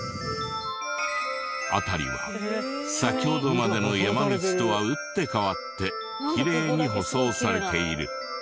辺りは先ほどまでの山道とは打って変わってきれいに舗装されている。